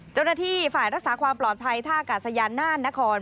เจ้าหน้าที่ฝ่ายรักษาความปลอดภัยท่ากาศยานน่านนคร